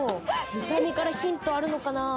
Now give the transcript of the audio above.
見た目からヒントあるのかな？